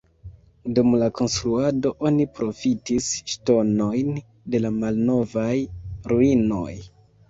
Dum la konstruado oni profitis ŝtonojn de la malnovaj ruinoj.